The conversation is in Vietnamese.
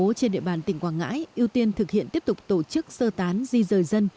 bão trên địa bàn tỉnh quảng ngãi ưu tiên thực hiện tiếp tục tổ chức sơ tán di dời dân